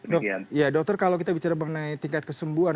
dok ya dokter kalau kita bicara mengenai tingkat kesembuhan